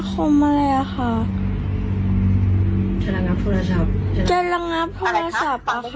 โตเกียวเนยกรอบไหมคะ